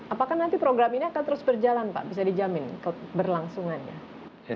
apakah nanti program ini akan terus berjalan pak bisa dijamin keberlangsungannya